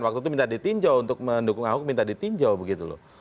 waktu itu minta ditinjau untuk mendukung ahok minta ditinjau begitu loh